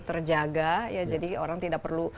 terjaga ya jadi orang tidak perlu